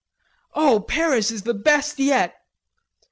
"Oh, Paris is the best yet.